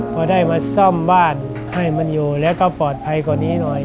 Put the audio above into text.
พอได้มาซ่อมบ้านให้มันอยู่แล้วก็ปลอดภัยกว่านี้หน่อย